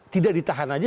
tidak ditahan saja